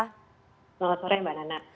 selamat sore mbak nana